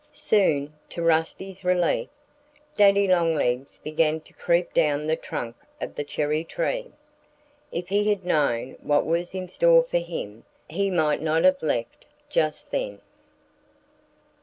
Soon, to Rusty's relief, Daddy Longlegs began to creep down the trunk of the cherry tree. If he had known what was in store for him he might not have left just then.